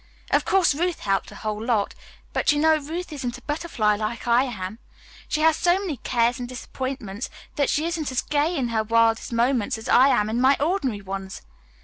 Of course, Ruth helped a whole lot, but you know Ruth isn't a butterfly like I am. She has had so many cares and disappointments that she isn't as gay in her wildest moments as I am in my ordinary ones.